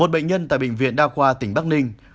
một bệnh nhân tại bệnh viện đa khoa tỉnh bắc ninh